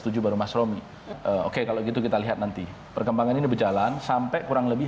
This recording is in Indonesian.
josa membutuhkan penumpang untuk bedah